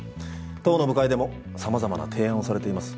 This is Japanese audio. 党の部会でもさまざまな提案をされています。